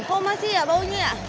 oh masih ya baunya ya